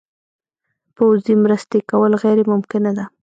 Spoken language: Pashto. پوځي مرستې کول غیر ممکنه ده.